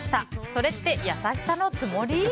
それって優しさのつもり？